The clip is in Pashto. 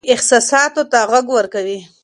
اوښکې احساساتو ته غږ ورکوي.